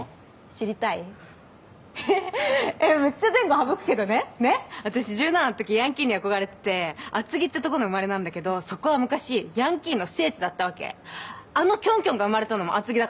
知りたい？へへっめっちゃ前後省くけどねねっ私１７のときヤンキーに憧れてて厚木っていうとこの生まれなんだけどそこは昔ヤンキーの聖地だったわけあのキョンキョンが生まれたのも厚木だかんね